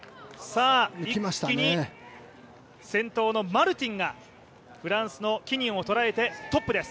一気に先頭のマルティンがフランスのキニオンを捉えてトップです。